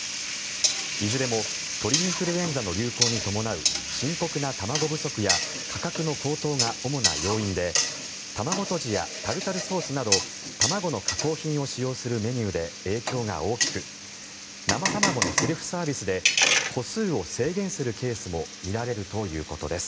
いずれも鳥インフルエンザの流行に伴う深刻な卵不足や価格の高騰が主な要因で卵とじやタルタルソースなど卵の加工品を使用するメニューで影響が大きく生卵のセルフサービスで個数を制限するケースも見られるということです。